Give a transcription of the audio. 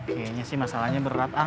kayanya sih masalahnya berat ang